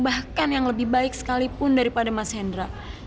bahkan yang lebih baik sekalipun daripada mas hendra